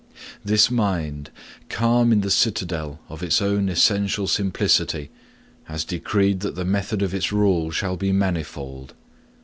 This mind, calm in the citadel of its own essential simplicity, has decreed that the method of its rule shall be manifold.